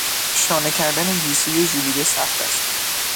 شانه کردن گیسوی ژولیده سخت است.